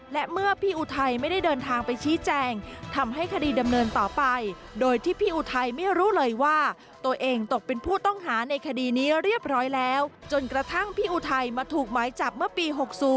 และเมื่อพี่อุทัยไม่ได้เดินทางไปชี้แจงทำให้คดีดำเนินต่อไปโดยที่พี่อุทัยไม่รู้เลยว่าตัวเองตกเป็นผู้ต้องหาในคดีนี้เรียบร้อยแล้วจนกระทั่งพี่อุทัยมาถูกหมายจับเมื่อปี๖๐